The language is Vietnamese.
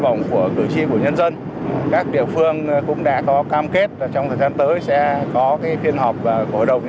vọng của cử tri của nhân dân các địa phương cũng đã có cam kết trong thời gian tới sẽ có phiên họp của hội